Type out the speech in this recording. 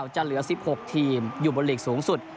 จะเหลือ๑๖ทีมอยู่บนหลีกสูงสุด